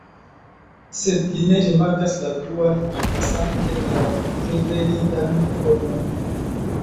Sed li ne rimarkas la duan, lasante la preteritan formon.